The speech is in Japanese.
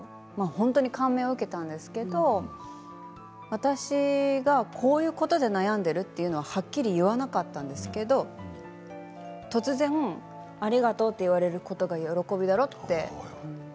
本当に感銘を受けたんですけど私がこういうことで悩んでいるというのをはっきり言わなかったんですけど突然、ありがとうって言われることが喜びだろうって。